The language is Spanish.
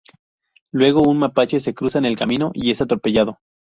Luego, un mapache se cruza en el camino y es atropellado.